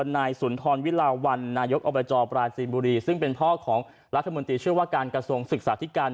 นายสุนทรวิลาวันนายกอบจปราจีนบุรีซึ่งเป็นพ่อของรัฐมนตรีเชื่อว่าการกระทรวงศึกษาธิการ